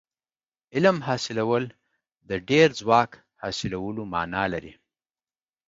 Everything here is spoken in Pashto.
علم حاصلول د ډېر ځواک حاصلولو معنا لري.